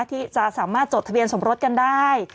ที่จะสามารถจดทะเบียนสมรสกันได้